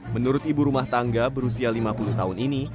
menurut ibu rumah tangga berusia lima puluh tahun ini